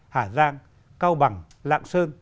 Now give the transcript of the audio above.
hà giang cao bằng lạng sơn